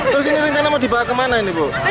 terus ini rencana mau dibawa kemana ini bu